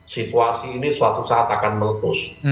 situasi ini suatu saat akan meletus